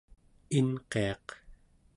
inqiaq